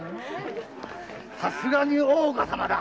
さすがに大岡様だ。